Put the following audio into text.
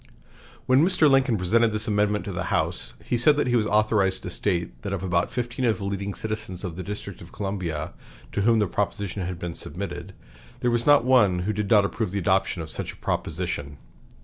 When Mr. Lincoln presented this amendment to the House, he said that he was authorized to state that of about fifteen of the leading citizens of the District of Columbia, to whom the proposition had been submitted, there was not one who did not approve the adoption of such a proposition.